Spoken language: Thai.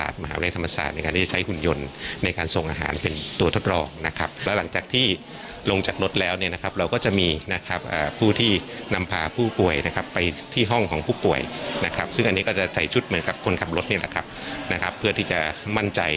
ต่อไปที่ห้องของผู้ป่วยซึ่งจะใส่ชุดเหมือนคล้นขับรถเพื่อที่มั่นใจ